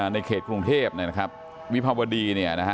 ในเขตกรุงเทพนะครับวิภาวดีเนี่ยนะฮะ